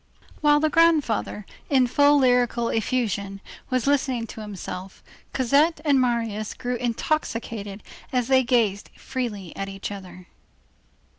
While the grandfather, in full lyrical effusion, was listening to himself, Cosette and Marius grew intoxicated as they gazed freely at each other.